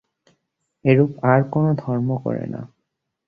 এরূপ আর কোন ধর্ম করে না।